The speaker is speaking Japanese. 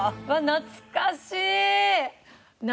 懐かしい！